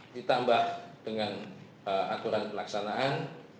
ditambah dengan aturan pelaksanaan